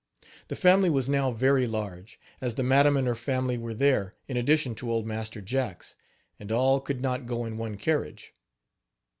The family was now very large, as the madam and her family were there, in addition to Old Master Jack's, and all could not go in one carriage.